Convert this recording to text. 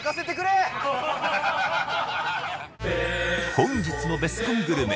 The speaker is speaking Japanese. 本日のベスコングルメ